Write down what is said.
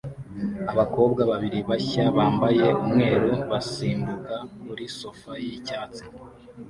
Abakobwa babiri basya bambaye umweru basimbuka kuri sofa y'icyatsi